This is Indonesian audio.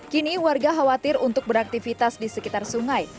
kini warga khawatir untuk beraktivitas di sekitar sungai